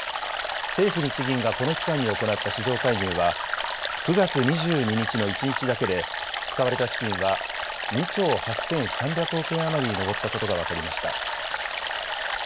政府・日銀がこの期間に行った市場介入は９月２２日の一日だけで使われた資金は２兆８３００億円余りに上ったことが分かりました。